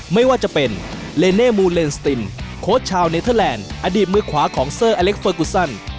ไม่ว่าจะเป็นเลเน่มูลเลนสติมโค้ชชาวเนเทอร์แลนด์อดีตมือขวาของเซอร์อเล็กเฟอร์กูซัน